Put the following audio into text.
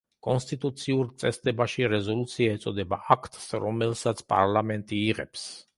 კონსტიტუციურ წესდებაში რეზოლუცია ეწოდება აქტს, რომელსაც პარლამენტი იღებს.